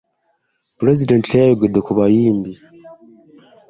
Pulezidenti teyayogede ku bayimbi.